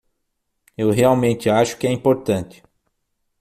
Eu realmente acho que é importante.